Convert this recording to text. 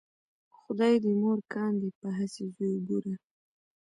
خدای دې مور کاندې په هسې زویو بوره